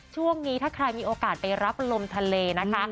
ช่วงนี้ถ้าใครมีโอกาสไปรับลมทะเลนะคะ